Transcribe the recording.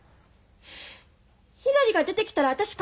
ひらりが出てきたら私勝てない。